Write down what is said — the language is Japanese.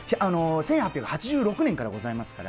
１８８６年からございますから。